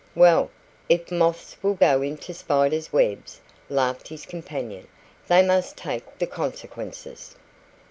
"Well, if moths will go into spiders' webs," laughed his companion, "they must take the consequences."